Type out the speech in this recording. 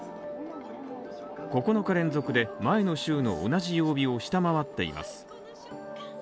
９日連続で前の週の同じ曜日を下回っています。